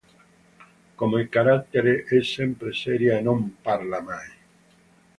Come carattere è sempre seria e non parla mai.